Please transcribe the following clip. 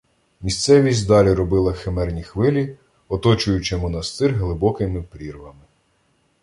Місцевість далі робила химерні хвилі, оточуючи монастир глибокими прірвами.